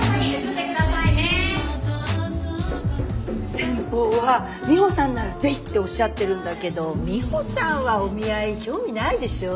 先方はミホさんならぜひっておっしゃってるんだけどミホさんはお見合い興味ないでしょ？